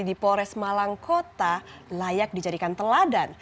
di polres malang kota layak dijadikan teladan